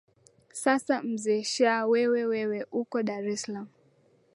sasa mzee shaa wewe wewe uko dar es salam